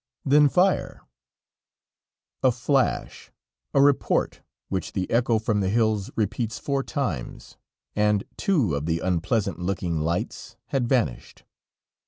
"Then fire." A flash, a report, which the echo from the hills repeats four times, and two of the unpleasant looking lights had vanished.